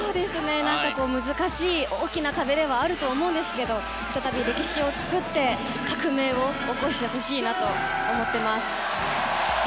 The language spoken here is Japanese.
難しい大きな壁ではあると思うんですが再び歴史を作って革命を起こしてほしいと思っています。